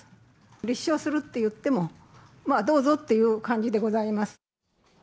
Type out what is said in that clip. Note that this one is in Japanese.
立証するっていっても、どうぞっていう感じでございます。